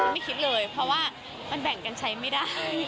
ไม่คิดเลยเพราะว่ามันแบ่งกันใช้ไม่ได้